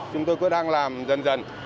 chúng tôi cũng đang làm dần dần